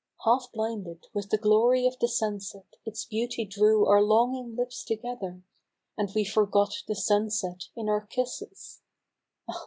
1 13 Half blinded with the glory of the sunset, Its beauty drew our longing Hps together, And we forgot the sunset in our kisses —! Ah